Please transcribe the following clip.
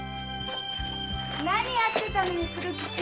何やってたのよ鶴吉。